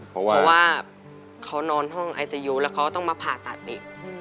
เพราะว่าเขานอนห้องไอซียูแล้วเขาต้องมาผ่าตัดอีก